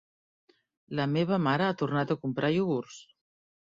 La meva mare ha tornat a comprar iogurts.